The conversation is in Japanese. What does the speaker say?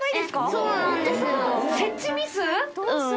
そうなんですよ。